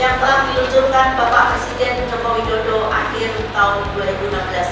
yang telah diluncurkan bapak presiden joko widodo akhir tahun dua ribu enam belas